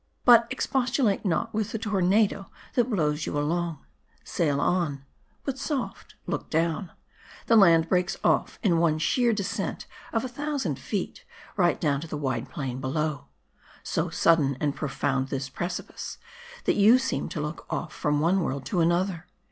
But expostulate not with the tornado that blows you along ; sail on ; but soft ; look down ; the land breaks off in one sheer, descent of a thou sand feet, right down to the wide plain below. So sudden and profound this precipice, that you seem to look off from one woxld to another.